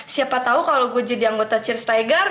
siapa tahu kalau gue jadi anggota chairs tiger